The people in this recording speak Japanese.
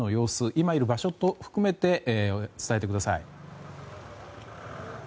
今いる場所含めて伝えてください。